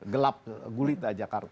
gelap gulit dah jakarta